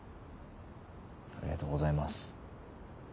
ありがとうございます。